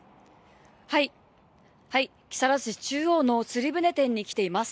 木更津市中央の釣り船店に来ています